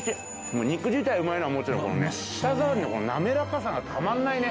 もう肉自体うまいのはもちろんこのね舌触りのこのなめらかさがたまんないね。